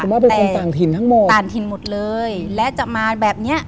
ว่าเป็นคนต่างถิ่นทั้งหมดต่างถิ่นหมดเลยและจะมาแบบเนี้ย